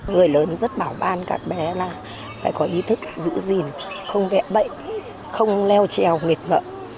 người lớn rất bảo ban các bé là phải có ý thức giữ gìn không vẹn bệnh không leo trèo nghiệt ngợm